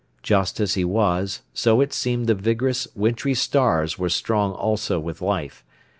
Just as he was, so it seemed the vigorous, wintry stars were strong also with life.